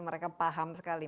mereka paham sekali